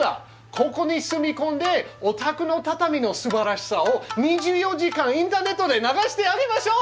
ここに住み込んでお宅の畳のすばらしさを２４時間インターネットで流してあげましょう。